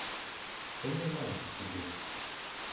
Што ён мае да цябе?